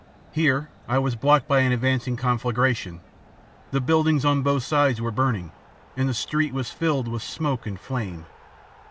Here I was blocked by an advancing conflagration. The buildings on both sides were burning, and the street was filled with smoke and flame.